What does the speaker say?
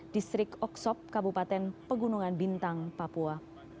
distrik oksop kabupaten pegunungan bintang papua